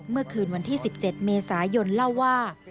เมื่อคืนวันที่๑๗เมษายนเล่าว่า